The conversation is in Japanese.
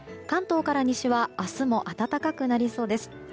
関東から西は明日も暖かくなりそうです。